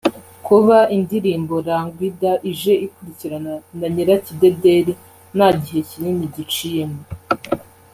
Kuba indirimbo ‘Rangwida’ije ikurikirana na ‘Nyirakidedeli’ nta gihe kinini giciyemo